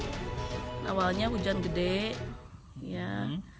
ruang perpustakaan karena masih rentan polisi memasang garis pengaman di sekitar bangunan yang